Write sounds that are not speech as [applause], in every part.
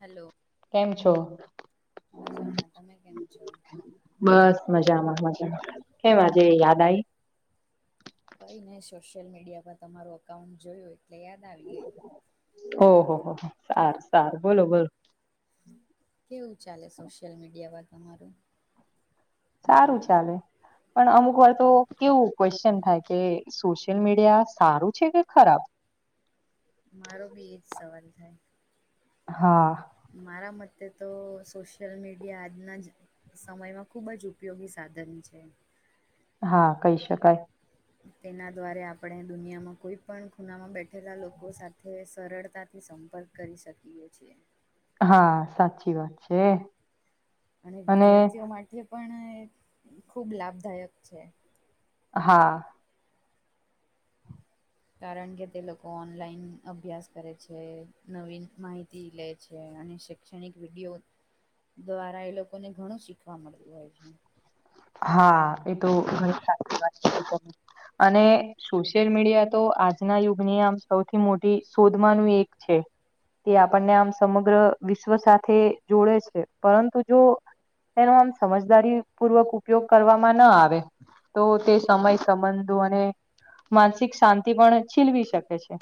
Hello કેમ છો? મજામાં તમે કેમ છો. બસ મજામાં મજામાં કેમ આજે યાદ આવી કંઈને સોશિયલ મીડિયા પર તમારું અકાઉન્ટ જોયું એટલે યાદ આવી ગઈ. ઓહ હો હો સાર સારું બોલો બોલો કેવું ચાલે સોશિયલ મીડિયા વા તમારુ સારું ચાલે પણ અમુક વાર તો કેવું ક્વેશન થાય કે સોશિયલ મીડિયા સારું છે, કે ખરાબ મારો ભી એજ સવાલ થાય. હા મારા મતે તો સોશિયલ મીડિયા આજના જ સમયમાં ખુબ જ ઉપયોગી સાધન છે. હા કહી શકાય. તેના દ્વારે આપણે દુનિયામાં કોઈ પણ ખૂનામાં બેઠેલા લોકો સાથે સરળતાથી સંપર્ક કરી શકીએ છીએ. હા સાચી વાત છે. અને વિદ્યાર્થીઓ માટે પણ ખૂબ લાભદાયક છે. હા કારણ કે તે લોકો ઓનલાઈન અભ્યાસ કરે છે નવીન માહિતી લે છે અને શૈક્ષણિક વિડીયો દ્વારા એ લોકોને ઘણું શીખવા મળતું હોય છે. હા એ તો ઘણી શાંતી વા અને સોશિયલ મીડિયા તો આજના યુગની આમ સૌથી મોટી શોધમાંનું એક છે. તે આપણને આમ સમગ્ર વિશ્વ સાથે જોડે છે પરંતુ જો એનો આમ સમજદારી પૂર્વક ઉપયોગ કરવામાં ન આવે તો તે સમય સંબંધો અને માનસિક શાંતિ પણ છીલવી શકે છે.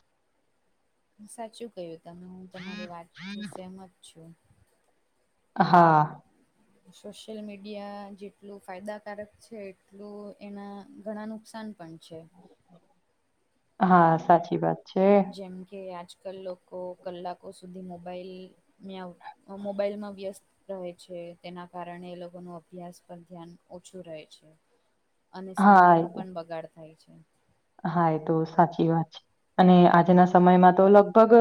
સાચું કયું તમે હું તમારી વાતથી સહમત છુ. હા સોશિયલ મીડિયા જેટલું ફાયદાકારક છે એટલું એના ઘણા નુકસાન પંચ હા સાચી વાત છે જેમ કે આજકાલ લોકો કલાકો સુધી મોબાઈલમા મોબાઈલમાં વ્યસ્ત રહે છે તેના કારણે એ લોકો ન અભ્યાસ પર ધ્યાન ઓછું રહે છે. અને સમયનો હા પણ બગાડ થાય છે. હા એ તો સાચી વાત છે અને આજના સમયમાં તો લગભગ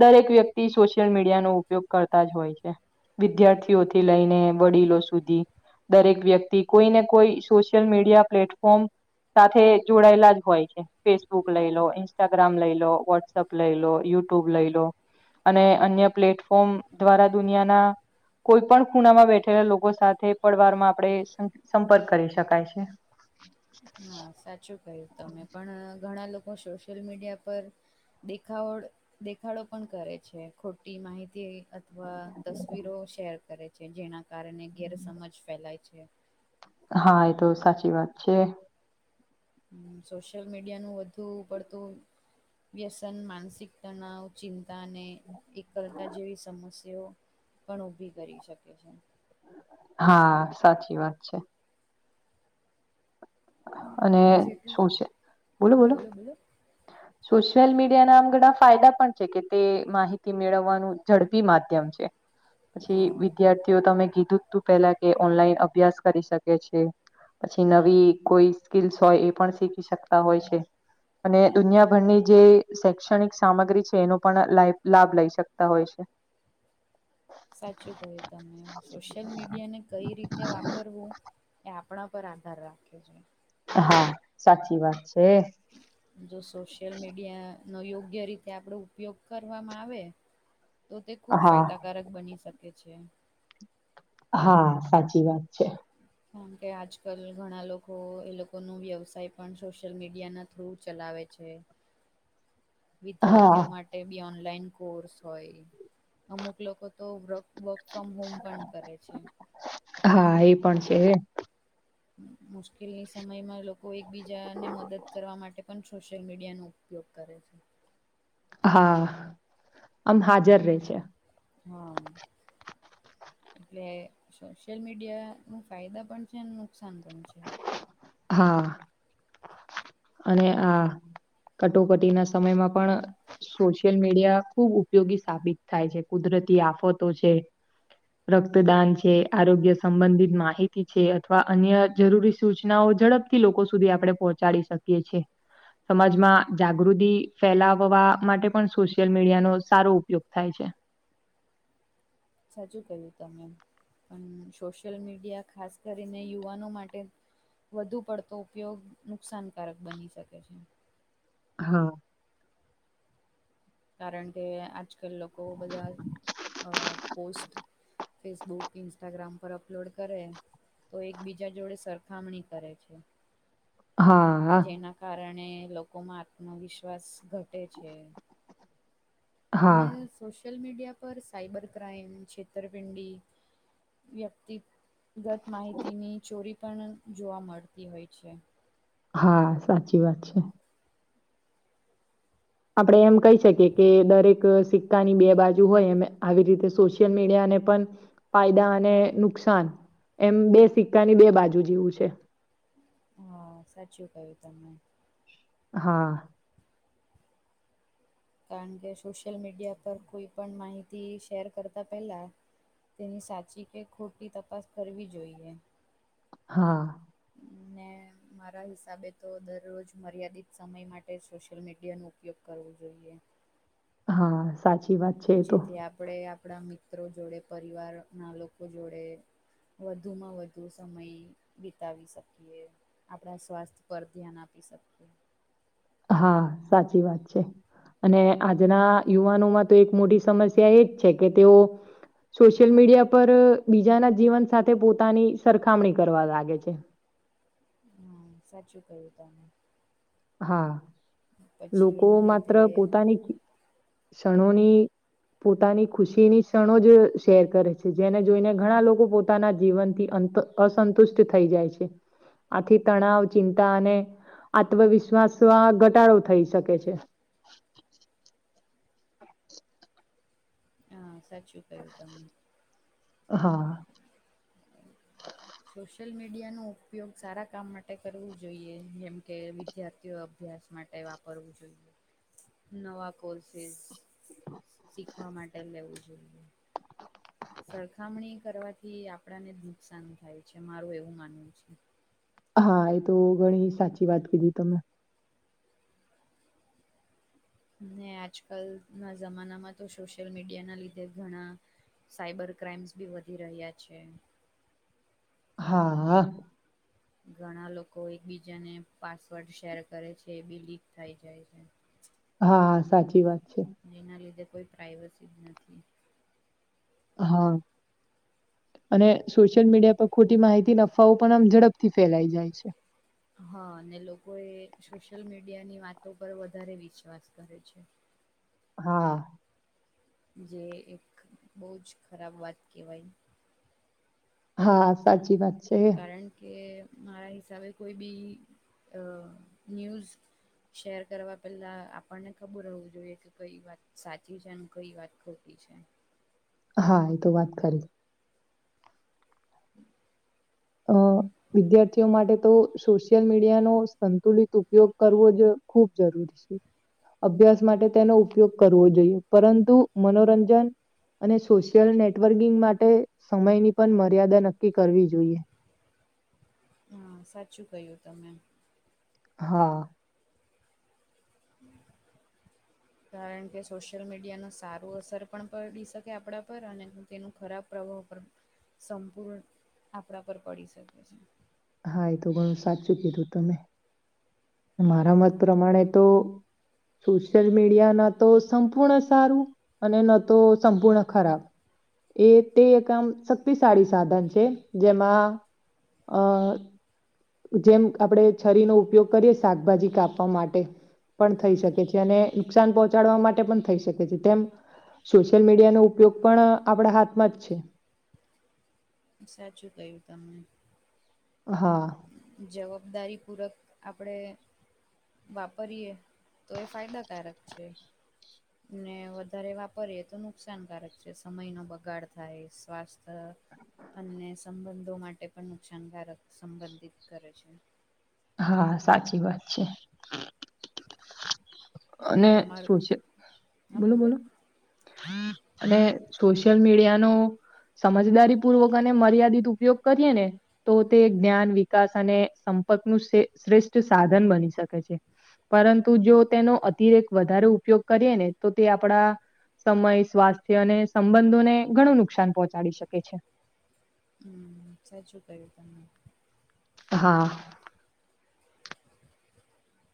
દરેક વ્યક્તિ સોશિયલ મીડિયાનોો ઉપયોગ કરતા જ હોય છે વિદ્યાર્થી ઓથી લઈને વડીલો સુધી દરેક વ્યક્તિ કોઈ ને કોઈ સોશિયલ મીડિયા પ્લેટફોર્મ સાથે જોડાયેલા હોય છે, ફેસબુક લઈ લો ઇન્સ્ટાગ્રામ લઈ લો વોટ્સઅપ લઈ લો યુટ્યુબ લઈ લો અને અન્ય પ્લેટફોર્મ દ્વારા દુનિયાના કોઈ પણ ખૂણામાં બેઠેલા લોકો સાથે પડવાર માં આપડે સં-સંપર્ક કરી શકાય છે. હા, સાચું કયું તમે. પણ અહ ઘણા લોકો સોશિયલ મીડિયા પર દેખાવળ દેખાડો પણ કરે છે. ખોટી માહિતી અથવા તસવીરો શેર કરે છે જેના કારણે ગેરસમજ ફેલાય છે. હા એ તો સાચી વાત છે. સોશિયલ મીડિયાનું વધુ પડતું વ્યસન માનસિક તણાવ, ચિંતા અને એકલતા જેવી સમસ્યા તેઓ પણ ઊભી કરી શકે છે. હા, સાચી વાત છે. અને જેટલું શું છે બોલો બોલો. સોશિયલ મીડિયા ના આમ ઘણા ફાયદા પણ છે કે તે માહિતી મેળવવા નું ઝડપી માધ્યમ છે. પછી હ વિધાર તે તમે કીધું તું પેલા કે ઓનલાઈન અભ્યાસ કરી શકે છે પછી નવી કોઈ સ્કીસ હોય એ પણ શીખી શકતા હોય છે. અને દુનિયાભરની જે શૈક્ષણિક સામગ્રી છે એનો પણ લ લાભ લઈ શકતા હોય છે. સાચું કહ્યું તમે. સોશિયલ મીડિયાને કઈ રીતે વાપરવું એ આપણા પર આધાર રાખે છે. હા સાચી વાત છે. જો સોશિયલ મીડિયા નો યોગ્ય રીતે આપડો ઉપયોગ કરવામાં આવે તો તે ખુબ હા ફાયદાકારક બની શકે છે. હા સાચી વાત છે. કારણ કે આજકાલ ઘણા લોકો એ લોકોનો વ્યવસાય પણ સોશિયલ મીડિયાના થ્રુ ચલાવેે છે. હા વિદ્યાર્થીઓ માટે બી ઓનલાઈન કોર્સ હોય અમુક લોકો તો વ્ર વર્ક ફ્રોમ હોમ પણ કરે છે. હા એ પણ છે. મુશ્કેલની સમયમાં લોકો એકબીજાને મદદ કરવા માટે પણ સોશિયલ મીડિયાનું ઉપયોગ કરે છે. હા, આમ હાજર રહી છે. હા. એટલે સોશિયલ મીડિયાનું ફાયદા પણ છે અને નુકસાન પણ છે. હા. અને આ કટોકટીના સમયમાં પણ સોશિયલ મીડિયા ખુબ ઉપયોગી સાબિત થાય છે. કુદરતી આફતો છે રક્તદાન છે આરોગ્ય સંબંધિત માહિતી છે અથવા અન્ય જરૂરી સૂચનાઓ ઝડપથી લોકો સુધી આપડી પહોંચાડી શક કીએ છે. સમાજમાં જાગૃતિ ફેલાવવા માટે પણ સોશિયલ મીડિયાનો સારો ઉપયોગ થાય છે. સાચું કહ્યું તમે પણ સોશિયલ મીડિયા ખાસ કરીને યુવાનો માટે વધુ પડતો ઉપયોગ નુકસાનકારક બની શકે છે. હા. કારણ કે આજકાલ લોકો બધા અહ પોસ્ટ ફેસબુક, ઇન્સ્ટાગ્રામ પર અપલોડ કરે તો એકબીજા જોડે સરખામણી કરે છે. હા હા જેના કારણે લોકોમાં આત્મવિશ્વાસ ઘટે છે. હા અને સોશિયલ મીડિયા પર સાઈબર ક્રાઈમ છેતરપિંડી વ્યક્તિ ગત માહિતીની ચોરી પણ જોવા મળતી હોય છે. હા, સાચી વાત છે. આપડે એમ કઈ શકીએ કે દરેક શિક કાની બે બાજુ હોય, એમ આવી રીતે સોશિયલ મીડિયા ને પણ ફાયદા અને નુકસાન, એમ બે સિક્કાની બે બાજુ જેવું છે. હા, સાચું કયું તમે. હા. કારણ કે સોશિયલ મીડિયા પર કોઈ પણ માહિતી શેર કરતા પહેલા તેની સાચી કે ખોટી તપાસ કરવી જોઈએ. હા. ને મારા હિસાબે તો દરરોજ મર્યાદિત સમય માટે સોશિયલ મીડિયાનો ઉપયોગ કરવો જોઈએ. હા. સાચી વાત છે એ તો જેથી આપડે આપડા મિત્રો જોડે પરિવારના લોકો જોડે વધુમાં વધુ સમય વિતાવી શકીએ. આપડા સ્વાસ્થ્ય પર ધ્યાન આપી શકીએ. હા, સાચી વાત છે. અને આજના યુવાનોમાં તો એક મોટી સમસ્યા એ જ છે કે તેઓ સોશિયલ મીડિયા પર બીજાના જીવન સાથે પોતાની સરખામણી કરવા લાગે છે. હન, સાચુ કયું તમે. હા, પછી લોકો એના માત્ર લીધે પોતાની ખી ક્ષણોની પોતાની ખુશીની ક્ષણો જ શેર કરે છે, જેને જોઈને ઘણા લોકો પોતાના જીવનથી અંત અસંતુષ્ટ થઈ જાય છે. આથી તણાવ ચિંતા અને ત્વવિશ્વાસમાં ઘટાડો થઈ શકે છે. હા, સાચું કયું તમે હા. સોશિયલ મીડિયાનો ઉપયોગ સારા કામ માટે કરવું જોઈએ. જેમ કે, વિદ્યાર્થીઓ અભ્યાસ માટે વાપરવું જોઈએ, નવા કોર્સીસ શીખવા માટે લેવું જોઈએ. સરખામણી કરવાથી આપડાને જ નુકસાન થાય છે, મારું એવું માનવું છે. હા, એ તો ઘણી સાચી વાત કીધી તમે. ને આજકાલના જમાનામાં તો સોશિયલ મીડિયાના લીધે ઘણા સાઈબર ક્રાઈમ્સ બી વધી રહ્યા છે. હા. ઘણા લોકો એકબીજાને પાસવર્ડ શેર કરે છે એ બી લીક થઈ જાય છે. [inaudible] હા, સાચી વાત છે. જેના લીધે કોઈ પ્રાઇવસી જ નથી. હા. અને સોશિયલ મીડિયા પર ખોટી માહિતી ન અફવાઓ પણ આમ ઝડપથી ફેલાઈ જાય છે. હા, ને લોકો એ સોશિયલ મીડિયાની વાતો પર વધારે વિશ્વાસ કરે છે. હા. જે એક બઉ જ ખરાબ વાત કેવાય. હા, સાચી વાત. છે કારણ કે મારા હિસાબે કોઈ બી અ ન્યૂઝ શેર કરવા પહેલા આપડને ખબર હોવુ જોઈએ કે કઈ વાત સાચી છે, ન કઈ વાત ખોકી છે. હા, એ તો વાત ખરી. [inaudible] અ વિદ્યાર્થીઓ માટે તો સોશિયલ મીડિયાનો સંતુલિત ઉપયોગ કરવો જ ખૂબ જરૂરી છે. અભ્યાસ માટે તેનો ઉપયોગ કરવો જોઈએ પરંતુ મનોરંજન અને સોશિયલ નેટવર્કિંગ માટે સમયની પણ મર્યાદા નક્કી કરવી જોઈએ. હા સાચું કય્યું તમે. હા. હ [inaudible] કારણ કે સોશિયલ મીડિયાનો સારું અસર પણ પડી શકે આપણા પર અને તેનું ખરાબ પ્રભાવ પર સંપૂર્ણ આપણા પર પડી શકે છે. હા એ તો ઘણું સાચું કીધું તમે, મારા મત પ્રમાણે તો સોશિયલ મીડિયા ના તો સંપૂર્ણ સારું, અને તો સંપૂર્ણ ખરાબ. એ તે એક આમ શક્તિશાળી સાધન છે જેમાં અ જેમ આપડે છરીનો ઉપયોગ કરીએ શાકભાજી કાપવા માટે, પણ થઈ હમ શકે છે. અને નુકસાન પહોંચાડવા માટે પણ થઈ શકે છે તેમ સોશિયલ મીડિયાનો ઉપયોગ પણ આપણા હાથમાં જ છે. સાચું કયું તમને. હા. જવાબદારી પૂર્વક આપણે વાપરીયએ તો એ ફાયદાકારક છે. ને વધારે વાપરીએ તો નુકસાનકારક છે સમય નો બગાડ થાય સ્વાસ્થ્ય અને સંબંધો માટે પણ નુકસાનકારક સંબંધિત કરે છે હા સાચી વાત છે. અને તમારું શું છે, બોલો બોલો. અને સોશિયલ મીડિયાનો સમજદારી પૂર્વક અને મર્યાદિત ઉપયોગ કરીએ ને. તો તે જ્ઞાન વિકાસ અને સંપર્ક ન શ્રેષ્ઠ સાધન બની શકે છે. પરંતુ જો તેનો અતિરેક વધારે ઉપયોગ કરીએ ને તો તે આપણા સમય સ્વાસ્થ્ય અને સંબંધોને ઘણું નુકસાન પહોંચાડી શકે છે. હમ સાચું કર્યું તને. હા.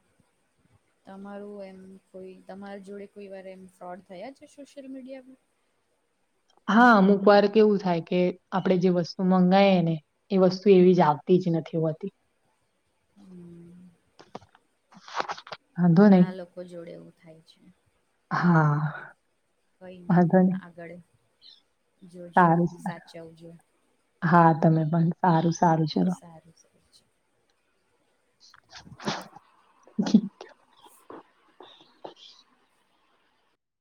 [inaudible] તમારું એમ કોઈ તમારા જોડે કોઈ વાર એમ ફ્રોડ થયા છે સોશિયલ મીડિયા માં? હા અમુક વાર કેવું થાય કે આપણેે જે વસ્તુ મંગાઈ ને. એ વસ્તુ એવી જાગતી જ નથી હોતી. હમ. [inaudible] નહી. ઘણા લોકો જોડે એવું થાય છે. હા. કઈ નઈ વાંધો નહી આગળ જોજો સારું સારું સાચવજો. હા તમે પણ સારું છે. હ સારુ સ છે. [inaudible] [inaudible]